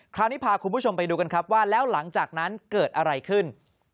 คราวนี้พาคุณผู้ชมไปดูกันครับว่าแล้วหลังจากนั้นเกิดอะไรขึ้น